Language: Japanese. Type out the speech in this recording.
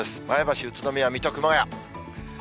前橋、宇都宮、水戸、熊谷。